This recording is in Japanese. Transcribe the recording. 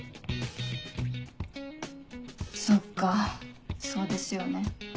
そっかそうですよね。